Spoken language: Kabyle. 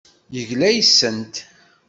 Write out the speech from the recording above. Tegla yes-sent.